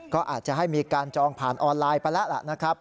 ก็อาจจะให้มีการจองผ่านออนไลน์ไปแล้วล่ะนะครับ